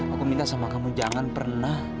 aku minta sama kamu jangan pernah